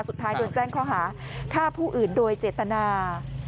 สุดท้ายโดนแจ้งข้อหาฆ่าผู้อื่นโดยเจตนา